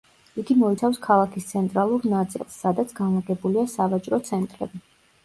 იგი მოიცავს ქალაქის ცენტრალურ ნაწილს სადაც განლაგებულია სავაჭრო ცენტრები.